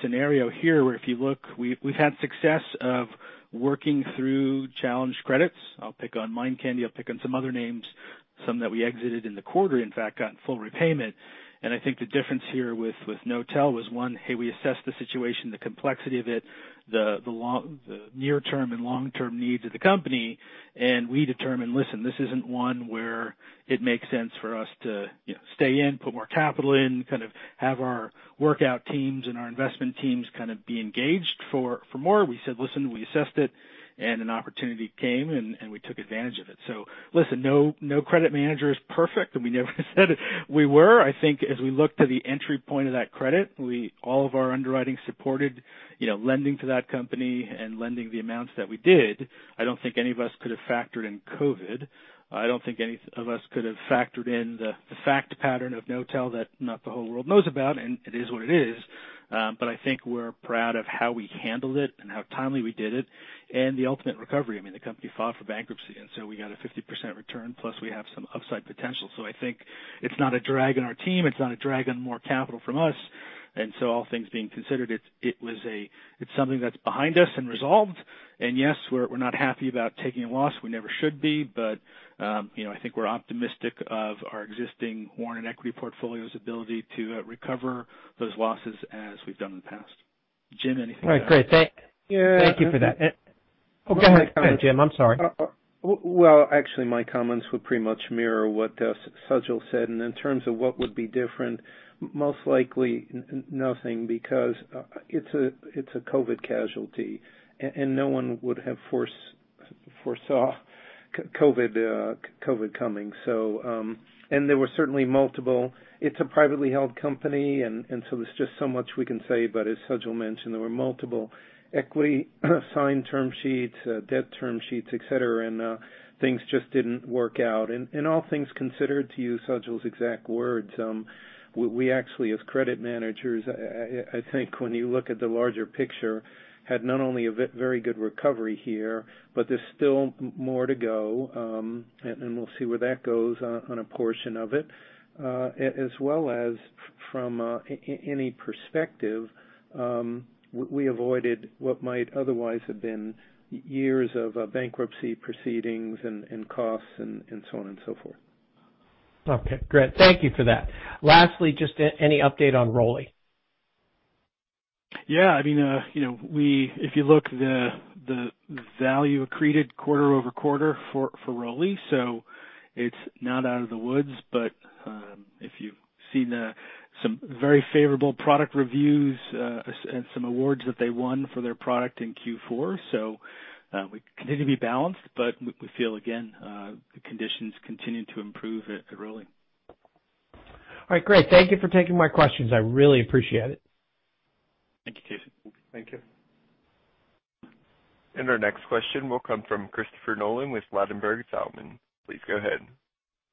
scenario here where if you look, we've had success of working through challenged credits. I'll pick on Mind Candy, I'll pick on some other names, some that we exited in the quarter, in fact, got full repayment. I think the difference here with Knotel was one, hey, we assessed the situation, the complexity of it, the near-term and long-term needs of the company. We determined, listen, this isn't one where it makes sense for us to stay in, put more capital in, have our workout teams and our investment teams be engaged for more. We said, listen, we assessed it, an opportunity came, and we took advantage of it. Listen, no credit manager is perfect, and we never said we were. I think as we look to the entry point of that credit, all of our underwriting supported lending to that company and lending the amounts that we did. I don't think any of us could have factored in COVID. I don't think any of us could have factored in the fact pattern of Knotel that not the whole world knows about, and it is what it is. I think we're proud of how we handled it and how timely we did it and the ultimate recovery. I mean, the company filed for bankruptcy, we got a 50% return, plus we have some upside potential. I think it's not a drag on our team. It's not a drag on more capital from us. All things being considered, it's something that's behind us and resolved. Yes, we're not happy about taking a loss. We never should be. I think we're optimistic of our existing warrant and equity portfolio's ability to recover those losses as we've done in the past. Jim, anything to add? All right, great. Thank you for that. Oh, go ahead, Jim. I'm sorry. Well, actually, my comments would pretty much mirror what Sajal said. In terms of what would be different, most likely nothing because it's a COVID casualty, and no one would have foresaw COVID coming. There were certainly multiple. It's a privately held company, so there's just so much we can say. As Sajal mentioned, there were multiple equity signed term sheets, debt term sheets, et cetera, and things just didn't work out. All things considered, to use Sajal's exact words, we actually as credit managers, I think when you look at the larger picture, had not only a very good recovery here, but there's still more to go. We'll see where that goes on a portion of it. As well as from any perspective, we avoided what might otherwise have been years of bankruptcy proceedings and costs and so on and so forth. Okay, great. Thank you for that. Lastly, just any update on ROLI? Yeah, if you look the value accreted quarter-over-quarter for ROLI. It's not out of the woods, but if you've seen some very favorable product reviews and some awards that they won for their product in Q4. We continue to be balanced, but we feel again, the conditions continue to improve at ROLI. All right, great. Thank you for taking my questions. I really appreciate it. Thank you, Casey. Thank you. Our next question will come from Christopher Nolan with Ladenburg Thalmann. Please go ahead.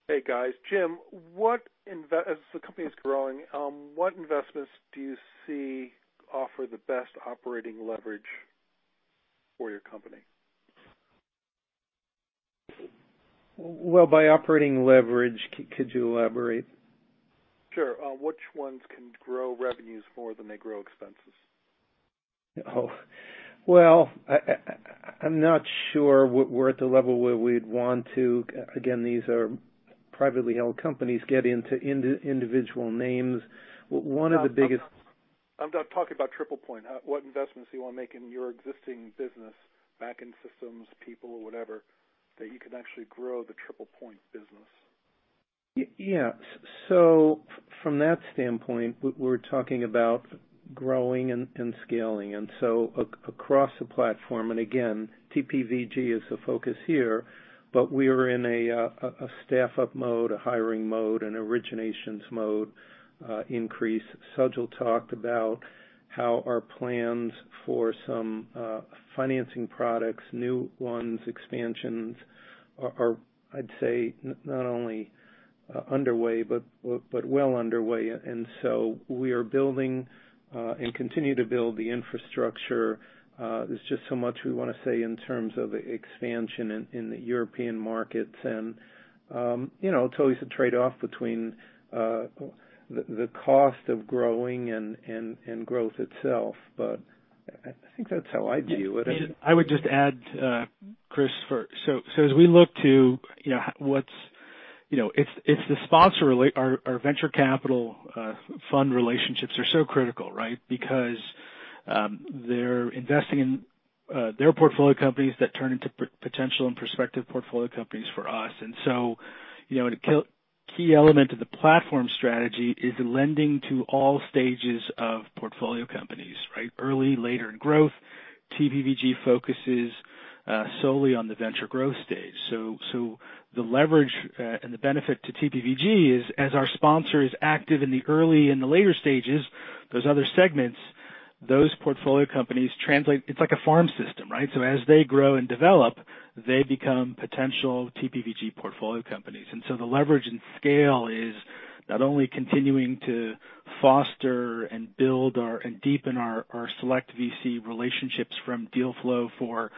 Hey, guys. Jim, as the company is growing, what investments do you see offer the best operating leverage for your company? Well, by operating leverage, could you elaborate? Sure. Which ones can grow revenues more than they grow expenses? Oh. Well, I'm not sure we're at the level where we'd want to. Again, these are privately held companies get into individual names. I'm talking about TriplePoint. What investments do you want to make in your existing business, back-end systems, people or whatever, that you can actually grow the TriplePoint business? Yeah. From that standpoint, we're talking about growing and scaling. Across the platform, and again, TPVG is the focus here, but we are in a staff-up mode, a hiring mode, an originations mode increase. Sajal talked about how our plans for some financing products, new ones, expansions are, I'd say, not only underway but well underway. We are building and continue to build the infrastructure. There's just so much we want to say in terms of expansion in the European markets. It's always a trade-off between the cost of growing and growth itself. I think that's how I'd view it. I would just add, Christopher, as we look to what's, it's the sponsor relate. Our venture capital fund relationships are so critical, right? Because they're investing in their portfolio companies that turn into potential and prospective portfolio companies for us. A key element of the platform strategy is lending to all stages of portfolio companies, right? Early, later in growth. TPVG focuses solely on the venture growth stage. The leverage and the benefit to TPVG is as our sponsor is active in the early and the later stages, those other segments, those portfolio companies translate. It's like a farm system, right? As they grow and develop, they become potential TPVG portfolio companies. The leverage and scale is not only continuing to foster and build and deepen our select VC relationships from deal flow for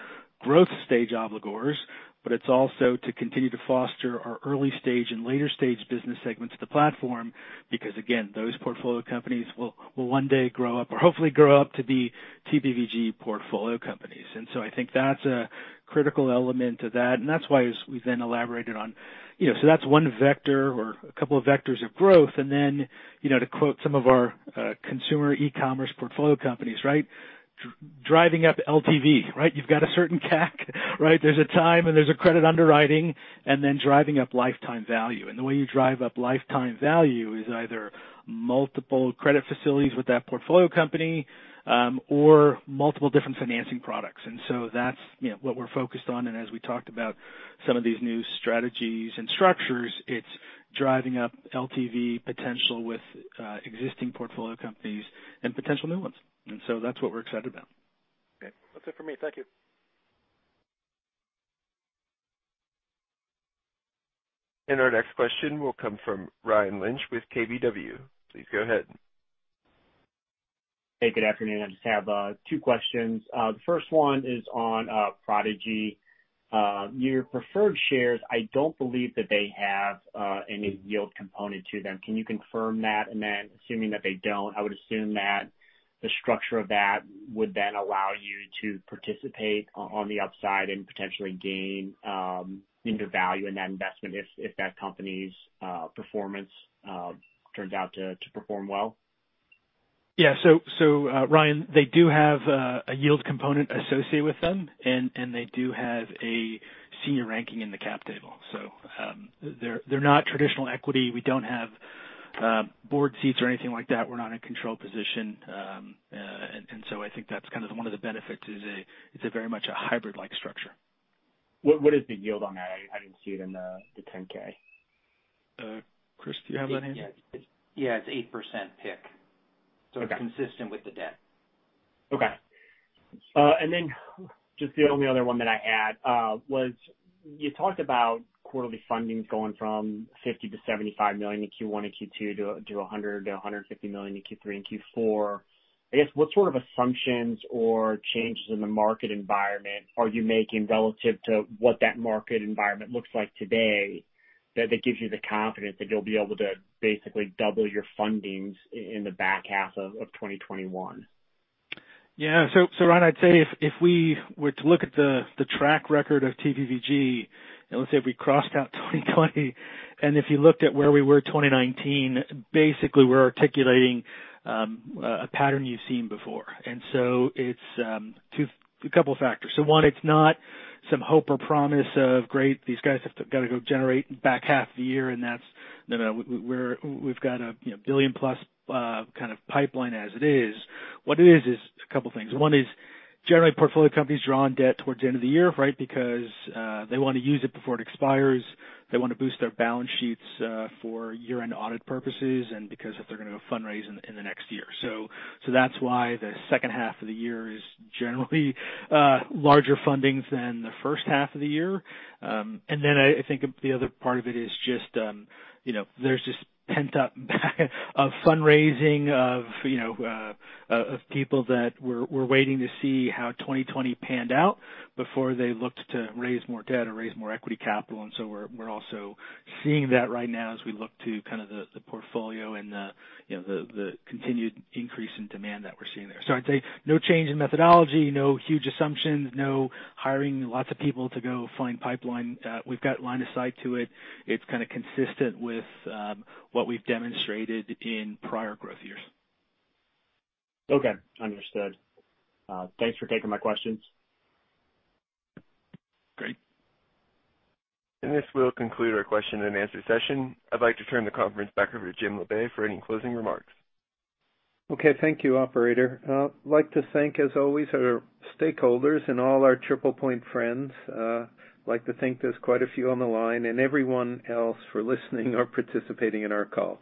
growth-stage obligors, but it's also to continue to foster our early stage and later stage business segments to the platform, because again, those portfolio companies will one day grow up or hopefully grow up to be TPVG portfolio companies. I think that's a critical element of that, and that's why we've then elaborated on. That's one vector or a couple of vectors of growth. Then, to quote some of our consumer e-commerce portfolio companies, driving up LTV. You've got a certain CAC. There's a time and there's a credit underwriting, and then driving up lifetime value. The way you drive up lifetime value is either multiple credit facilities with that portfolio company, or multiple different financing products. That's what we're focused on. As we talked about some of these new strategies and structures, it's driving up LTV potential with existing portfolio companies and potential new ones. That's what we're excited about. Okay. That's it for me. Thank you. Our next question will come from Ryan Lynch with KBW. Please go ahead. Hey, good afternoon. I just have two questions. The first one is on Prodigy. Your preferred shares, I don't believe that they have any yield component to them. Can you confirm that? Assuming that they don't, I would assume that the structure of that would then allow you to participate on the upside and potentially gain into value in that investment if that company's performance turns out to perform well. Yeah. Ryan, they do have a yield component associated with them, and they do have a senior ranking in the cap table. They're not traditional equity. We don't have board seats or anything like that. We're not in a control position. I think that's one of the benefits is it's very much a hybrid-like structure. What is the yield on that? I didn't see it in the Form 10-K. Chris, do you have that answer? Yeah. It's 8% PIK. Okay. It's consistent with the debt. Okay. The only other one that I had was you talked about quarterly fundings going from $50 million-$75 million in Q1 and Q2 to $100 million-$150 million in Q3 and Q4. I guess, what sort of assumptions or changes in the market environment are you making relative to what that market environment looks like today that gives you the confidence that you'll be able to basically double your funding in the back half of 2021? Yeah. Ryan, I'd say if we were to look at the track record of TPVG, let's say if we crossed out 2020, if you looked at where we were 2019, basically we're articulating a pattern you've seen before. It's a couple of factors. One, it's not some hope or promise of, great, these guys have got to go generate back half of the year and that's No, no. We've got a billion-plus kind of pipeline as it is. What it is a couple things. One is generally portfolio companies draw on debt towards the end of the year because they want to use it before it expires. They want to boost their balance sheets for year-end audit purposes and because if they're going to go fundraise in the next year. That's why the second half of the year is generally larger funding than the first half of the year. I think the other part of it is just there's this pent-up backlog of fundraising of people that were waiting to see how 2020 panned out before they looked to raise more debt or raise more equity capital. We're also seeing that right now as we look to kind of the portfolio and the continued increase in demand that we're seeing there. I'd say no change in methodology, no huge assumptions, no hiring lots of people to go find pipeline. We've got line of sight to it. It's kind of consistent with what we've demonstrated in prior growth years. Okay. Understood. Thanks for taking my questions. Great. This will conclude our question and answer session. I'd like to turn the conference back over to Jim Labe for any closing remarks. Okay. Thank you, operator. I'd like to thank, as always, our stakeholders and all our TriplePoint friends. Like to thank those quite a few on the line and everyone else for listening or participating in our call.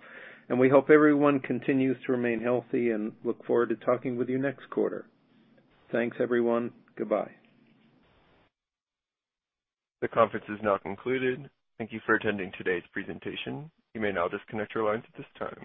We hope everyone continues to remain healthy and look forward to talking with you next quarter. Thanks, everyone. Goodbye. The conference is now concluded. Thank you for attending today's presentation. You may now disconnect your lines at this time.